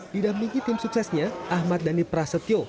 di dambingi tim suksesnya ahmad dhani prasetyo